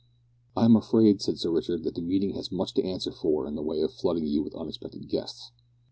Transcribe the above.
"I am afraid," said Sir Richard, "that the meeting has much to answer for in the way of flooding you with unexpected guests."